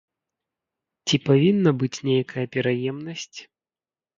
Ці павінна быць нейкая пераемнасць?